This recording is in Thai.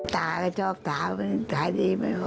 ตาก็ชอบถามถามดีไม่พอ